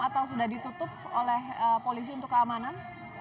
atau sudah ditutup oleh polisi untuk keamanan